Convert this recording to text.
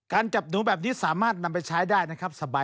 จับหนูแบบนี้สามารถนำไปใช้ได้นะครับ